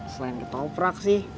selain ketoprak sih